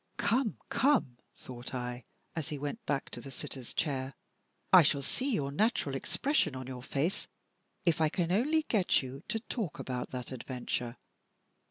"Come! come!" thought I, as he went back to the sitter's chair, "I shall see your natural expression on your face if I can only get you to talk about that adventure."